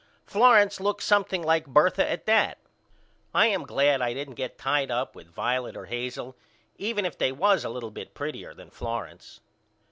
Florence looks something like Bertha at that. I am glad I didn't get tied up with Violet or Hazel even if they was a little bit prettier than Florence.